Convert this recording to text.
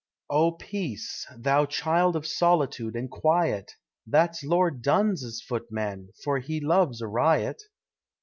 Oh Peace! thou child of solitude and quiet That's Lord Dunn's footman, for he loves a riot!